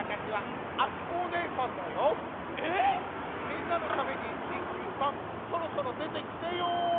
みんなのために一休さんそろそろでてきてよ。